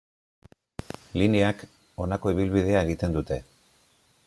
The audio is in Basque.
Lineak honako ibilbidea egiten dute.